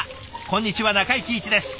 こんにちは中井貴一です。